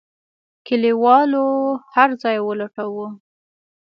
کليوالو هرځای ولټاوه.